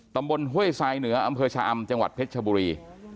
ตำบลเฮ้ยทรายเหนืออชอจังหวัดเพชรบุรี